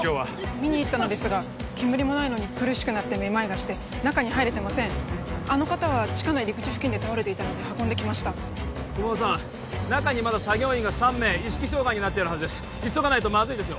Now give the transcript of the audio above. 見に行ったのですが煙もないのに苦しくなってめまいがして中に入れてませんあの方は地下の入り口付近で倒れていたので運んできました駒場さん中にまだ作業員が３名意識障害になっているはずです急がないとまずいですよ